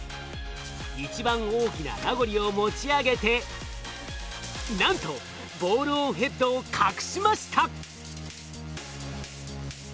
一番大きなラゴリを持ち上げてなんとボールオンヘッドを隠しました！